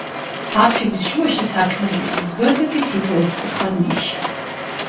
აფსიდის შუაში სარკმელია, მის გვერდებზე კი თითო ოთხკუთხა ნიშა.